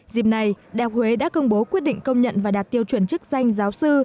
dịp này đại học huế đã công bố quyết định công nhận và đạt tiêu chuẩn chức danh giáo sư